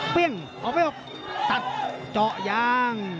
เปรี้ยงออกไปออกตัดเจาะยาง